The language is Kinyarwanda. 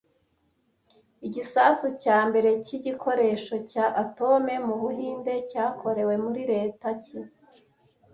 Igisasu cya mbere cy’igikoresho cya atome mu Buhinde cyakorewe muri leta ki